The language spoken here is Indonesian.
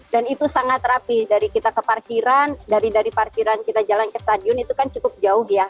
dan itu sangat rapih dari kita ke parkiran dari parkiran kita jalan ke stadion itu kan cukup jauh ya